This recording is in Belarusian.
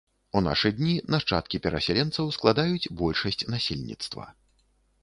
У нашы дні нашчадкі перасяленцаў складаюць большасць насельніцтва.